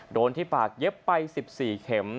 โดนที่ปากเย็บไป๑๔เข็ม